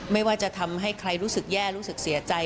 ไม่ว่าจะทำให้ใครรู้สึกแย่รู้สึกเสียใจ